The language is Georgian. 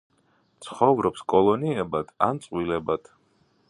ცხოვრობს კოლონიებად, ან წყვილებად.